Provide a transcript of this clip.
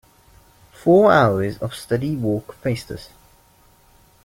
Four hours of steady work faced us.